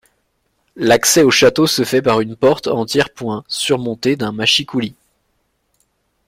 L'accès au château se fait par une porte en tiers-point surmontée d'un mâchicoulis.